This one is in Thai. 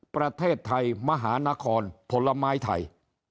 ประเทศไทยมหานครผลไม้ไทย